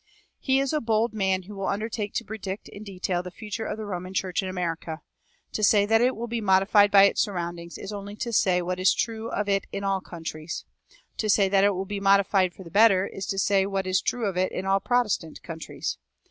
He is a bold man who will undertake to predict in detail the future of the Roman Church in America. To say that it will be modified by its surroundings is only to say what is true of it in all countries. To say that it will be modified for the better is to say what is true of it in all Protestant countries.